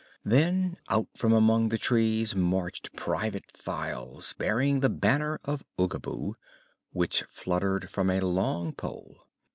Then out from among the trees marched Private Files, bearing the banner of Oogaboo, which fluttered from a long pole.